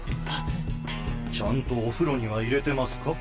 ちゃんとお風呂には入れてますか？